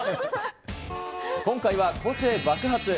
今回は個性爆発。